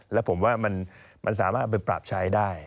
แล้วผมว่ามันสามารถไปปรับใช้ได้